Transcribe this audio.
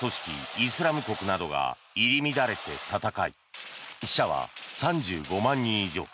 イスラム国などが入り乱れて戦い死者は３５万人以上。